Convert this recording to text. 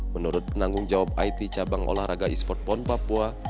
menurut penanggung jawab it cabang olahraga e sport pon papua